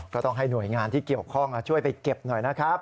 ก็ต้องให้หน่วยงานที่เกี่ยวข้องช่วยไปเก็บหน่อยนะครับ